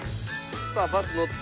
さあバス乗って。